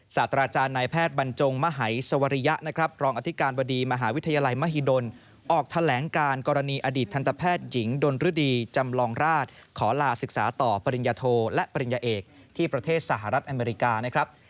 ศาสตราจารย์นายแพทย์บรรจงมหัยสวริยะนะครับรองอธิการบดีมหาวิทยาลัยมหิดลออกแถลงการกรณีอดีตทันตแพทย์หญิงดนรดีจำลองราชขอลาศึกษาต่อปริญญาโทและปริญญาเอกที่ประเทศสหรัฐอเมริกานะครับ